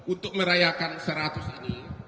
untuk merayakan seratus ini